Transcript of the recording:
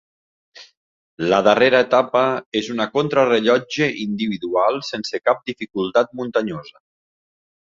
La darrera etapa és una contrarellotge individual sense cap dificultat muntanyosa.